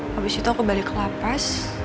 habis itu aku balik ke lapas